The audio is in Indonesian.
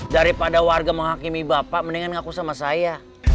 daripada warga menghakimi bapak mendingan ngaku sama saya